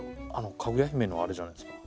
「かぐや姫」のあれじゃないですか？